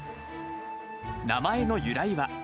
名前の由来は。